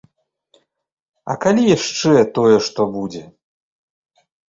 А калі яшчэ тое што будзе?